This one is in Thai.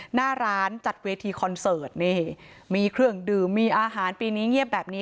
หน้าร้านจัดเวทีคอนเสิร์ตนี่มีเครื่องดื่มมีอาหารปีนี้เงียบแบบนี้